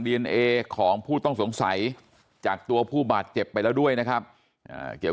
ดีเอนเอของผู้ต้องสงสัยจากตัวผู้บาดเจ็บไปแล้วด้วยนะครับเกี่ยว